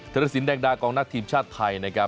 รสินแดงดากองนักทีมชาติไทยนะครับ